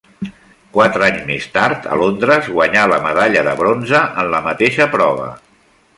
Quatre anys més tard, a Londres guanyà la medalla de bronze en la mateixa prova.